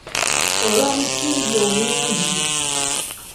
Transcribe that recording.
Olw’omusimbi omungi.